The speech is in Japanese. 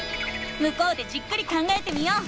向こうでじっくり考えてみよう。